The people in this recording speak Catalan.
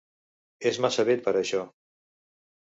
És massa vell per a això.